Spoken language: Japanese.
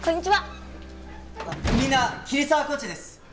みんな桐沢コーチです。